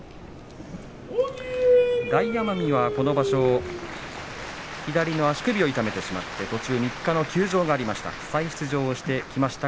大奄美は、この場所左の足首を痛めてしまって途中３日の休場がありました。